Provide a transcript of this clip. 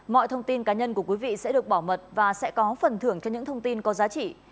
mọi thông tin cá nhân của quý vị sẽ được bảo mật và sẽ có phần thưởng cho những thông tin có giá trị